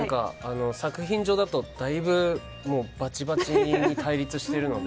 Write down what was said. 作品だと、だいぶバチバチに対立しているので。